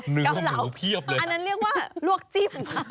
เกาเหลาอันนั้นเรียกว่าลวกจิบ